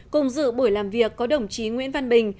cùng dự buổi làm việc có đồng chí nguyễn văn bình